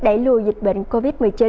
đẩy lùi dịch bệnh covid một mươi chín